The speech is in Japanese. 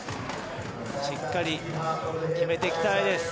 しっかり決めていきたいです。